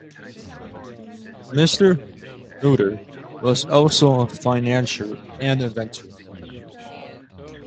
Mr. Reuter was also a financier and inventor.